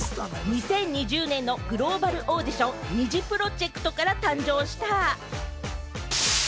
２０２０年のグローバルオーディション、ＮｉｚｉＰｒｏｊｅｃｔから誕生した。